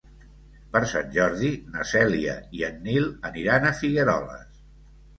Per Sant Jordi na Cèlia i en Nil aniran a Figueroles.